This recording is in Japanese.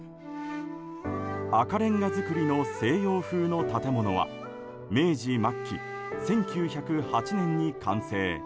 赤レンガ造りの西洋風の建物は明治末期、１９０８年に完成。